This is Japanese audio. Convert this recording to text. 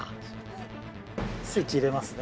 スイッチ入れますね。